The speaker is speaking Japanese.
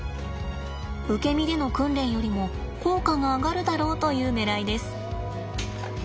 受け身での訓練よりも効果が上がるだろうというねらいです。